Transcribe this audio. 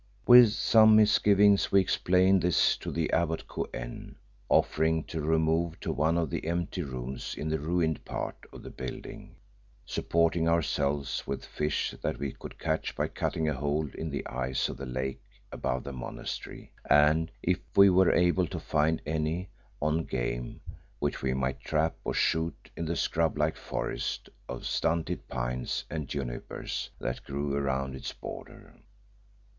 With some misgivings we explained this to the abbot Kou en, offering to remove to one of the empty rooms in the ruined part of the building, supporting ourselves with fish that we could catch by cutting a hole in the ice of the lake above the monastery, and if we were able to find any, on game, which we might trap or shoot in the scrub like forest of stunted pines and junipers that grew around its border.